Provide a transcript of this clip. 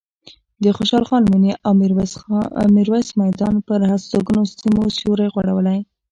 د خوشحال خان مېنې او میرویس میدان پر هستوګنو سیمو سیوری غوړولی.